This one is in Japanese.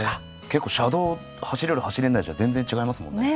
結構車道走れる走れないじゃ全然違いますもんね。